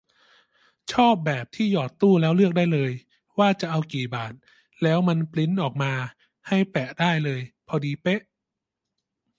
ชอบแบบที่หยอดตู้แล้วเลือกได้เลยว่าจะเอากี่บาท แล้วมันปรินท์ออกมาให้ แปะได้เลย พอดีเป๊ะ